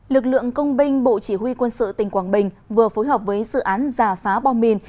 lực lượng công binh bộ chỉ huy quân sự tỉnh quảng bình vừa phối hợp với dự án giả phá bom mìn